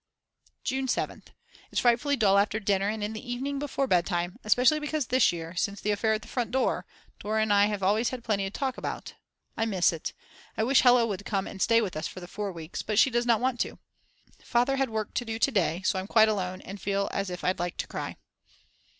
June 7th. It's frightfully dull after dinner and in the evening before bed time, especially because this year, since the affair at the front door, Dora and I have always had plenty to talk about. I miss it. I wish Hella would come and stay with us for the 4 weeks. But she does not want to. Father had work to do to day, so I'm quite alone and feel as if I'd like to cry.